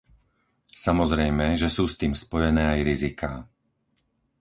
Samozrejme, že sú s tým spojené aj riziká.